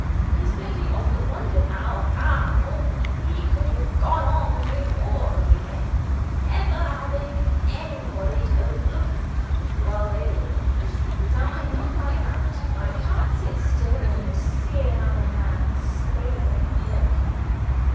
He said he often wondered now how he could have gone on before he met me, never having anybody to look at while they worked. Now, I'm not like that. I can't sit still and see another man slaving and working.